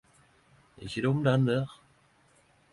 Ikkje dum den der!